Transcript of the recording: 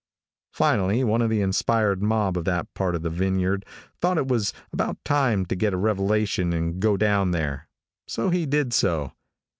Finally, one of the inspired mob of that part of the vineyard thought it was about time to get a revelation and go down there, so he did so.